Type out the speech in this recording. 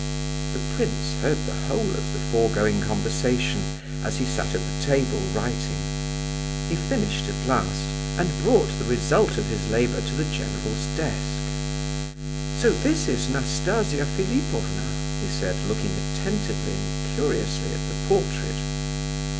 The prince heard the whole of the foregoing conversation, as he sat at the table, writing. He finished at last, and brought the result of his labour to the general's desk. "So this is Nastasia Philipovna," he said, looking attentively and curiously at the portrait.